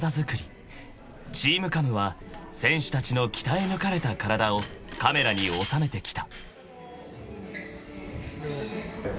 ［ＴＥＡＭＣＡＭは選手たちの鍛えぬかれた体をカメラに収めてきた］